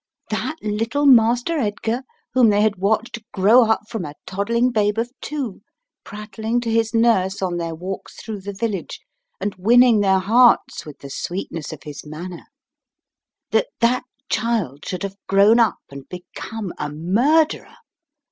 That little Master Edgar whom they had watched grow up from a toddling babe of two, prattling to his 217 218 The Riddle of the Purple Emperor nurse on their walks through the village, and win ning their hearts with the sweetness of his manner, that that child should have grown up and become a murderer.